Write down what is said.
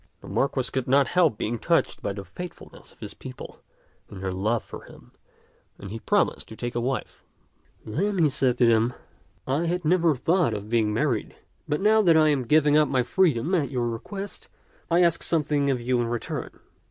The Marquis could not help being touched by the faithfulness of his people in their love for him, and he promised to take a wife. Then he said to them, " I had never thought of being married, but now that I am giving up my freedom at your request, I ask something of you in return.